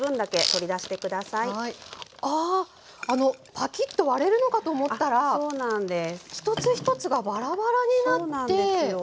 パキッと割れるのかと思ったら一つ一つがばらばらになってお！